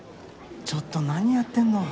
ちょっと何やってんの？